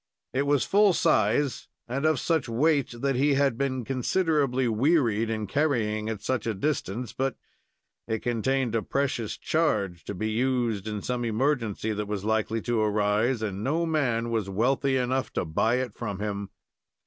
It was full size, and of such weight that he had been considerably wearied in carrying it such a distance, but it contained a precious charge, to be used in some emergency that was likely to arise, and no man was wealthy enough to buy it from him.